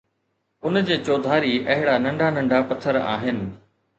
ان جي چوڌاري اهڙا ننڍا ننڍا پٿر آهن